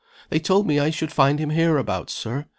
"They told me I should find him hereabouts, Sir.